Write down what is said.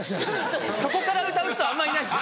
そこから歌う人あんまいないです。